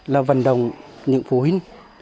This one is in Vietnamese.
là vận động những phụ huynh